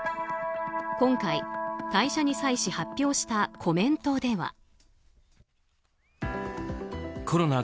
今回退社に際し発表したコメントでは。